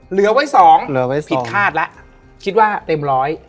เหลือไว้๒ผิดคาดละคิดว่าเต็มร้อย